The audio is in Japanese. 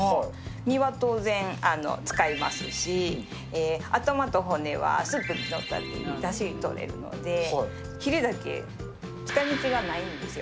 身は当然使いますし、頭と骨はスープに、だし取ったりできるので、ヒレだけ使いみちがないんですよ。